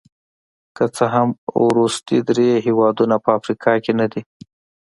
که څه هم وروستي درې هېوادونه په افریقا کې نه دي.